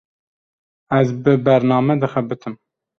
Ez, bi bername dixebitim